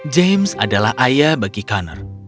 james adalah ayah bagi conner